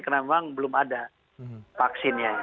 karena memang belum ada vaksinnya